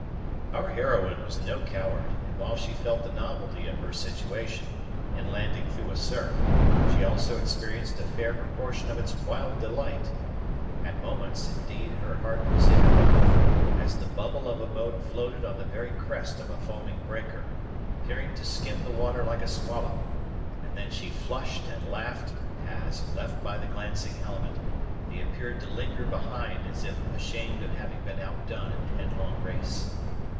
Our heroine was no coward; and while she felt the novelty of her situation, in landing through a surf, she also experienced a fair proportion of its wild delight. At moments, indeed, her heart was in her mouth, as the bubble of a boat floated on the very crest of a foaming breaker, appearing to skim the water like a swallow, and then she flushed and laughed, as, left by the glancing element, they appeared to linger behind as if ashamed of having been outdone in the headlong race.